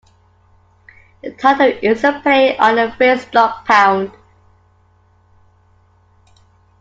The title is a play on the phrase dog pound.